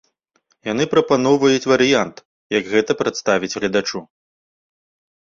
Яны прапаноўваюць варыянт, як гэта прадставіць гледачу.